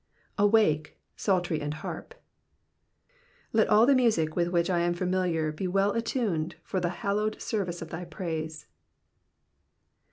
^^Awake^ psaltery and harp,'''' Let all the music with which I am familiar be well attuned for the hallowed service of praise.